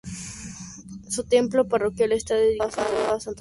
Su templo parroquial está dedicado a Santa Marina.